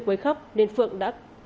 quấy khóc nên phượng đã